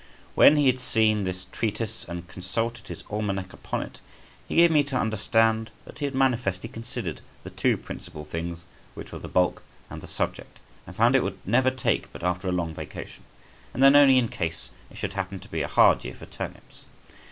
When he had seen this treatise and consulted his almanac upon it, he gave me to understand that he had manifestly considered the two principal things, which were the bulk and the subject, and found it would never take but after a long vacation, and then only in case it should happen to be a hard year for turnips.